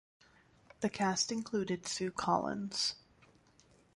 The cast included Sue Collins.